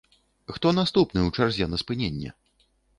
Хто наступны ў чарзе на спыненне?